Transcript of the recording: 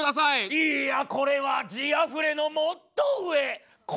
いやこれは字あふれのもっと上コラム！